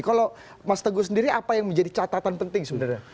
kalau mas teguh sendiri apa yang menjadi catatan penting sebenarnya